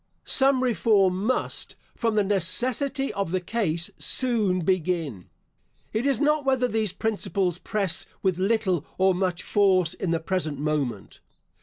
Some reform must, from the necessity of the case, soon begin. It is not whether these principles press with little or much force in the present moment.